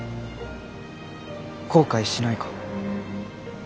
後悔しないか。